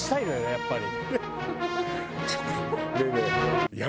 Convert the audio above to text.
やっぱり。